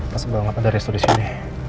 mas mbak gak peduli ya sudah disini